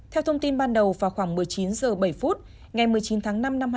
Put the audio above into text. theo thông tin ban đầu vào khoảng một mươi chín h bảy phút ngày một mươi chín tháng năm năm hai nghìn hai mươi